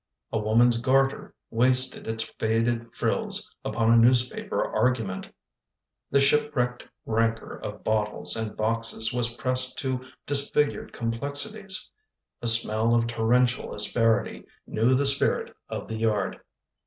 A woman's garter wasted its faded frills Upon a newspaper argument. The shipwrecked rancor of bottles and boxes Was pressed to disfigured complexities. A smell of torrential asperity Knew the spirit of the yard.